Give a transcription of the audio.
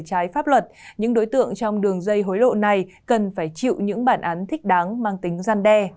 trái pháp luật những đối tượng trong đường dây hối lộ này cần phải chịu những bản án thích đáng mang tính gian đe